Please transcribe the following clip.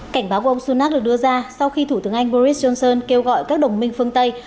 cảnh báo của ông sunak được đưa ra sau khi thủ tướng anh boris johnson kêu gọi các đồng minh phương tây